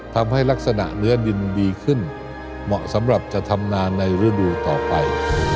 ทำให้ลักษณะเนื้อดินดีขึ้นเหมาะสำหรับจะทำนานในฤดูต่อไป